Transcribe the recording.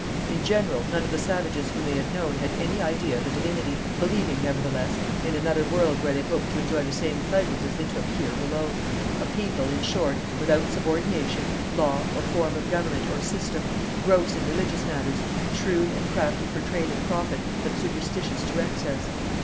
In general, none of the savages whom they had known had any idea of a divinity, believing, nevertheless, in another world where they hoped to enjoy the same pleasures as they took here below a people, in short, without subordination, law or form of government or system, gross in religious matters, shrewd and crafty for trade and profit, but superstitious to excess.